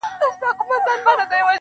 بم دی ټوپکوال ولاړ دي